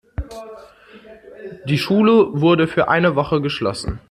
Die Schule wurde für eine Woche geschlossen.